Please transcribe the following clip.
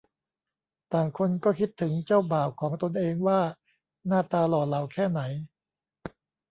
ต่างคนก็คิดถึงเจ้าบ่าวของตนเองว่าหน้าตาหล่อเหลาแค่ไหน